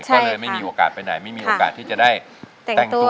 ก็เลยไม่มีโอกาสไปไหนไม่มีโอกาสที่จะได้แต่งตัว